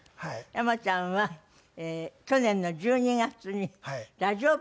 山ちゃんは去年の１２月にラジオ番組で突然。